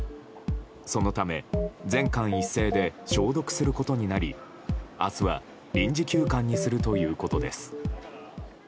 そのため全館一斉で消毒することになり明日は臨時休館にするということです。